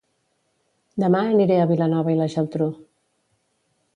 Dema aniré a Vilanova i la Geltrú